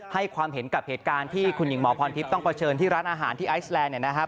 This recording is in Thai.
ให้ความเห็นกับเหตุการณ์ที่คุณหญิงหมอพรทิพย์ต้องเผชิญที่ร้านอาหารที่ไอซแลนดเนี่ยนะครับ